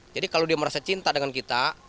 jadi kalau dia merasa cinta dengan kita